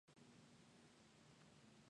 ｍｊｇｈｂｒｔ